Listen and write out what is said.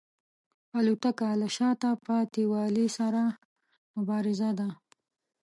الوتکه له شاته پاتې والي سره مبارزه ده.